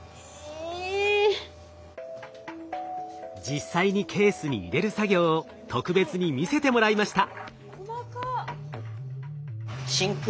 実際にケースに入れる作業を特別に見せてもらいました。